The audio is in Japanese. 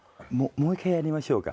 もう１回やりましょうか。